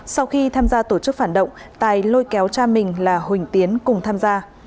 sau khi tham gia tổ chức phản động tài lôi kéo cha mình là huỳnh tiến cùng tham gia